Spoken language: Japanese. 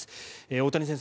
大谷先生